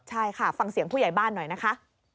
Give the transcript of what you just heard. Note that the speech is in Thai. ใช่ค่ะฟังเสียงผู้ใหญ่บ้านหน่อยนะคะ